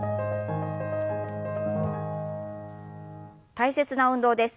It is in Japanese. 大切な運動です。